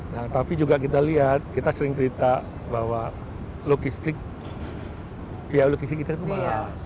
nah tapi juga kita lihat kita sering cerita bahwa logistik biaya logistik kita itu mahal